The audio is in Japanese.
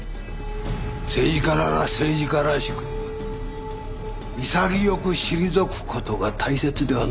政治家なら政治家らしく潔く退く事が大切ではないのか？